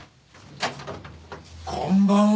こんばんは。